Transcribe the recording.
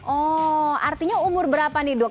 oh artinya umur berapa nih dok